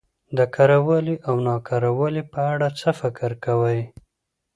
د کره والي او نا کره والي په اړه څه فکر کوؽ